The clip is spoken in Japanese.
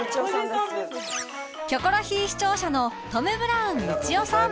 『キョコロヒー』視聴者のトム・ブラウンみちおさん